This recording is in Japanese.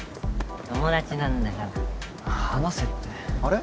友達なんだから離せってあれ？